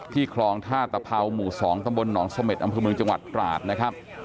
ที่คลองทาตะเผาหมู่๒ตำบลหนองสมมติอำพื้นมือจังหวัดตราดนะครับ